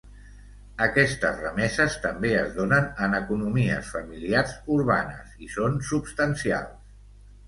Aquestes remeses també es donen en economies familiars urbanes i són substancials.